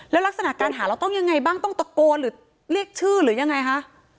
แล้วลักษณะการหาเราต้องยังไงบ้างต้องตะโกนหรือเรียกชื่อหรือยังไงคะ